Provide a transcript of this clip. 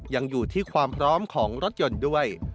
ยังอยู่ที่ความพร้อมของรถยนต์ด้วย